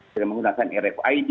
dan menggunakan e reco id